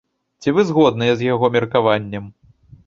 Ці вы згодныя з яго меркаваннем?